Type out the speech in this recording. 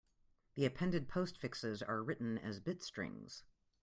The appended postfixes are written as bit strings.